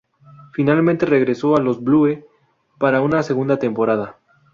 Finalmente regresó a los Blue para una segunda temporada.